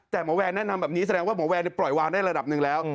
แต่หมอแวร์แนะนำแบบนี้แสดงว่าหมอแวร์ปล่อยวางได้ระดับหนึ่งแล้ว